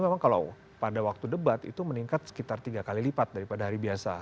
memang kalau pada waktu debat itu meningkat sekitar tiga kali lipat daripada hari biasa